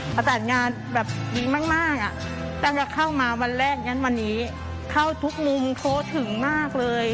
ประสานงานแบบดีมากอ่ะตั้งแต่เข้ามาวันแรกงั้นวันนี้เข้าทุกมุมทั่วถึงมากเลย